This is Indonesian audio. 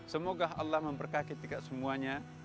semoga allah memberkati kita semuanya